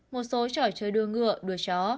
một số trò chơi đua ngựa đua chó